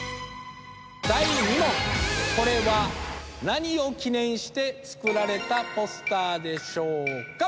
これは何を記念して作られたポスターでしょうか。